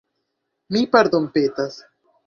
Mi pardonpetas!